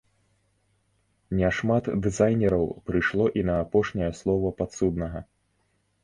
Не шмат дызайнераў прыйшло і на апошняе слова падсуднага.